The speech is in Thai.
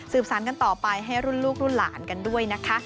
สารกันต่อไปให้รุ่นลูกรุ่นหลานกันด้วยนะคะ